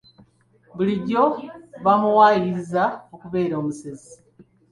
Bulijjo bamuwaayiriza okubeera omusezi.